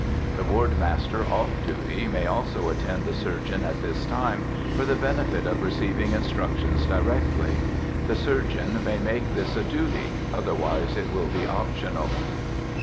The ward master off duty may also attend the surgeon at this time, for the benefit of receiving instructions directly. The surgeon may make this a duty, otherwise it will be optional.